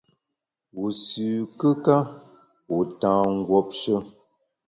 Wu sü kùka, wu ta nguopshe.